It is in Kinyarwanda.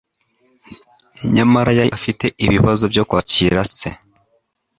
nyamara yari afite ibibazo byo kwakira se.